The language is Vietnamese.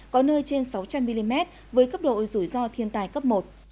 có nơi trên sáu trăm linh mm với cấp độ dù do thiên tai cấp một